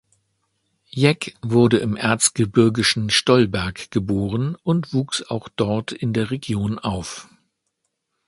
Jeck wurde im erzgebirgischen Stollberg geboren und wuchs auch dort in der Region auf.